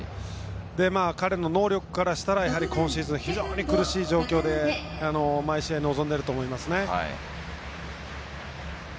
彼の能力からしたらやはり今シーズン非常に厳しい状況で毎試合、試合に臨んでいると思います。